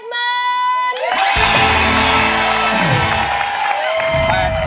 ขอบคุณมาก